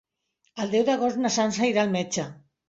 El deu d'agost na Sança irà al metge.